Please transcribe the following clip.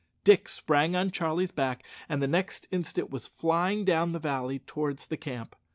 Dick sprang on Charlie's back, and the next instant was flying down the valley towards the camp.